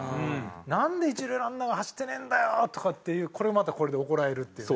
「なんで一塁ランナーが走ってねえんだよ」とかっていうこれもまたこれで怒られるっていうね。